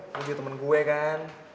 lu juga temen gue kan